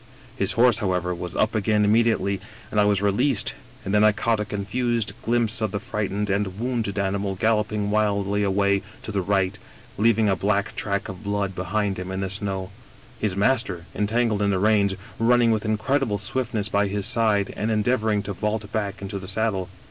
His horse, however, was up again immediately, and I was released, and then I caught a confused glimpse of the f right ened and wounded animal galloping wildly away to the right, leaving a black track of blood behind him in the snow, his master, entangled in the reins, running with incredible swiftness by his side and endeavoring to vault back into the saddle.